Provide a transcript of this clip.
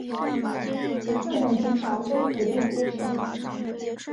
这种技巧被普遍接受。